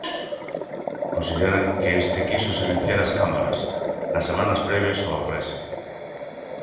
Consideran que este quixo silenciar as cámaras nas semanas previas ao Brexit.